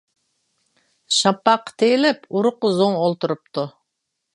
شاپاققا تېيىلىپ، ئۇرۇققا زوڭ ئولتۇرۇپتۇ.